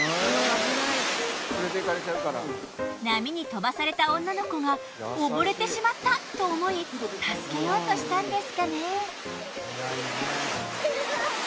波に飛ばされた女の子がおぼれてしまったと思い助けようとしたんですかね。